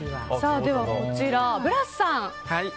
こちら、ブラスさん。